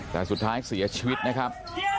แต่สุดท้ายเสียชีวิตนะครับ